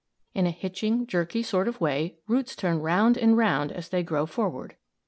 In a hitching, jerky sort of way roots turn round and round as they grow forward.